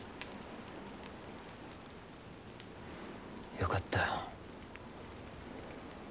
よかった。